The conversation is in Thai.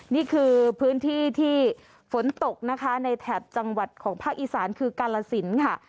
นี่คือพื้นที่ที่ฝนตกนะคะในแถบจังหวัดของภาคอีสานคือกาลสินค่ะ